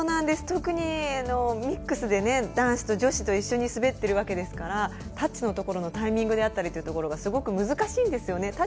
特にミックスで男子と女子と一緒に滑ってるわけですからタッチのところのタイミングであったりというところがすごく難しいんですよね。